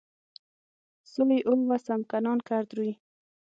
سوی اوه و سمکنان کرد روی